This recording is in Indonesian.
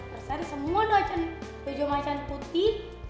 jadi pertandingannya boleh ama raimu raga cuma pertandingan pribadi doang